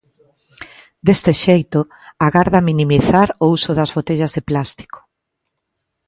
Deste xeito, agarda minimizar o uso das botellas de plástico.